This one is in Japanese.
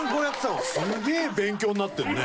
すげえ勉強になってるね。